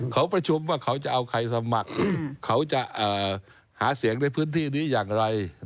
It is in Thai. เขาประชุมว่าเขาจะเอาใครสมัครเขาจะหาเสียงในพื้นที่นี้อย่างไร